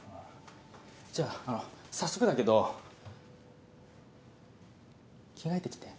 じゃああの早速だけど着替えてきて。